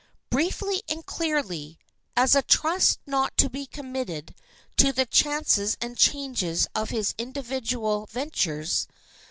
Briefly and clearly—as a trust not to be committed to the chances and changes of his individual ventures.